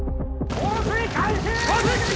放水開始！